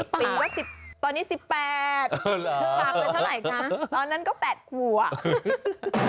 ๑๐ปีตอนนี้๑๘ชาวเกินเท่าไหร่คะตอนนั้นก็๘ขวบ